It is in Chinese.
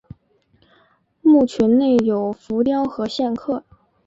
墓群内有浮雕和线刻。